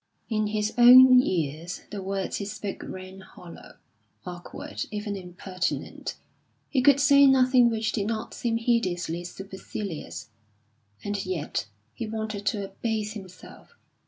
In his own ears the words he spoke rang hollow, awkward, even impertinent. He could say nothing which did not seem hideously supercilious; and yet he wanted to abase himself!